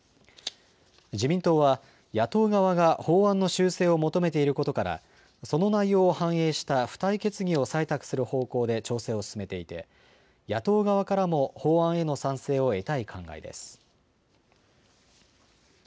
自民党は野党側が法案の修正を求めていることからその内容を反映した付帯決議を採択する方向で調整を進めていて野党側からも法案への賛成を得たい考えです。